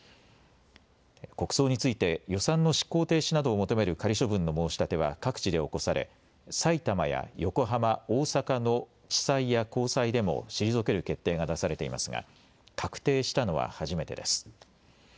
国葬について予算の執行停止などを求める仮処分の申し立ては各地で起こされ、さいたまや横浜、大阪の地裁や高裁でも退ける決定が出されていますが確定したのは初めてです。